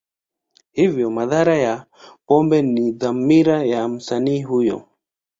Hivyo, madhara ya pombe ni dhamira ya msanii huyo.